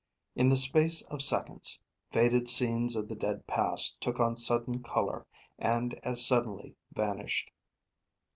In the space of seconds, faded scenes of the dead past took on sudden color and as suddenly vanished.